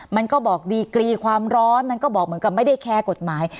มันก็บอกดีกรีความร้อนมันก็บอกเหมือนกับไม่ได้แคร์กฎหมาย